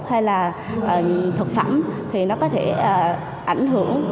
hay là thực phẩm thì nó có thể ảnh hưởng